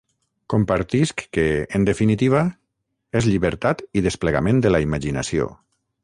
Compartisc que, en definitiva, és llibertat i desplegament de la imaginació.